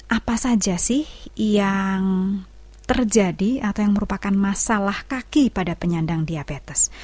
apa saja sih yang terjadi atau yang merupakan masalah kaki pada penyandang diabetes